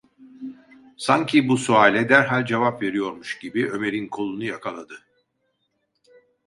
Sanki bu suale derhal cevap veriyormuş gibi Ömer’in kolunu yakaladı.